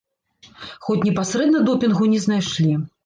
Хоць непасрэдна допінгу не знайшлі.